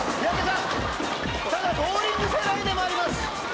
ただボウリング世代でもあります。